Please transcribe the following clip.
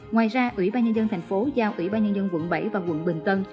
ngoài ra ủy ban nhân dân tp hcm giao ủy ban nhân dân quận bảy và quận bình tân